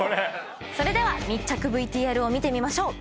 それでは密着ＶＴＲを見てみましょう。